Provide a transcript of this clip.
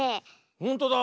ほんとだ。